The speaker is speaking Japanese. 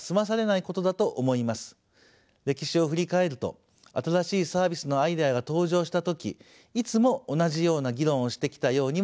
歴史を振り返ると新しいサービスのアイデアが登場した時いつも同じような議論をしてきたようにも思います。